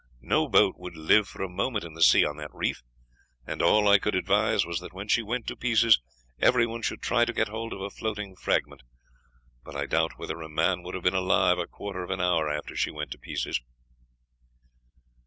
No boat would live for a moment in the sea on that reef, and all I could advise was that when she went to pieces everyone should try to get hold of a floating fragment; but I doubt whether a man would have been alive a quarter of an hour after she went to pieces."